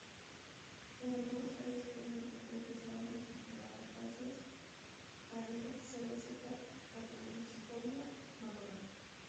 En algunas áreas pueden encontrarse sabanas de acacias, praderas, selva seca caducifolia, matorral...